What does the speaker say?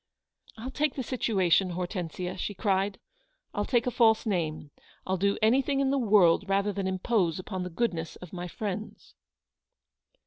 " I'll take the situation, Hortensia," she cried. " I'll take a false name. Til do anything in the world rather than impose upon the goodness of my friends."